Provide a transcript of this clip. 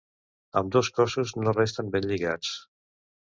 Ambdós cossos no resten ben lligats.